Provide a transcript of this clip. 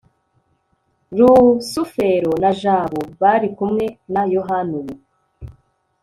rusufero na jabo bari kumwe na yohana ubu